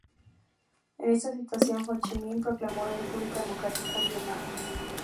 En esta situación Hồ Chí Minh proclamó la República Democrática de Vietnam.